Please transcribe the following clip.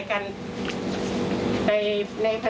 แม่ชีค่ะ